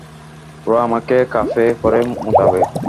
ওরা আমাকে কাপে করে মুতাবে।